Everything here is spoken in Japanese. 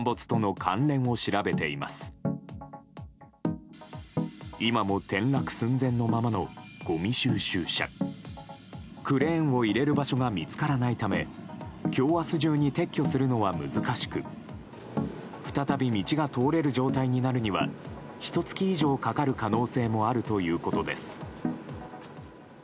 クレーンを入れる場所が見つからないため今日、明日中に撤去するのは難しく再び道が通れる状態になるにはひと月以上かかる可能性もあるということです。